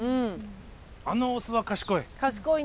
あのオスは賢い。